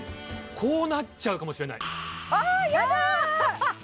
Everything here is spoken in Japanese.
こうなっちゃうかもしれないあやだ！